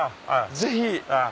ぜひ。